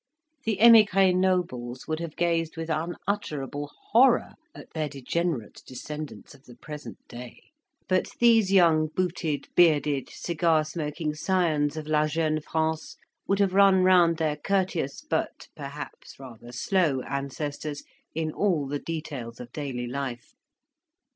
The emigre nobles would have gazed with unutterable horror at their degenerate descendants of the present day; but these young, booted, bearded, cigar smoking scions of la jeune France would have run round their courteous, but, perhaps, rather slow ancestors, in all the details of daily life.